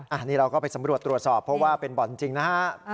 อันนี้เราก็ไปสำรวจตรวจสอบเพราะว่าเป็นบ่อนจริงนะฮะ